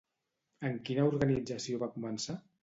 En quina organització va començar?